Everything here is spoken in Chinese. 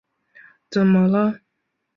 怎么了？